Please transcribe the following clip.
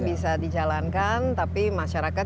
bisa dijalankan tapi masyarakat